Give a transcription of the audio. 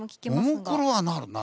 ももクロはなるな。